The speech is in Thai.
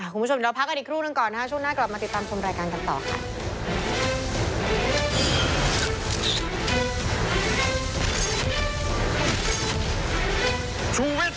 คุณผู้ชมเดี๋ยวเราพักกันอีกครูหนึ่งก่อนนะคะช่วงหน้ากลับมาติดตามชมรายการกันต่อค่ะ